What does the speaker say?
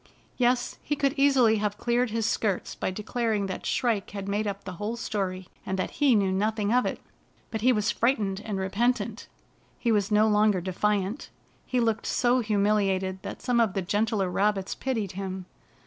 Yes, he could easily have cleared his skirts by declar ing that Shrike had made up the whole story, and that he knew nothing of it. But he was frightened and repentant. He was no longer defiant. He looked so humiliated that some of the gentler rabbits pitied him.